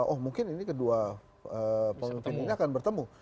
oh mungkin ini kedua pemimpin ini akan bertemu